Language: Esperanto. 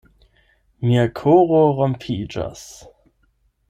Mia koro rompiĝas.